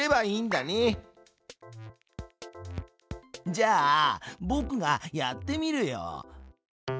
じゃあぼくがやってみるよ。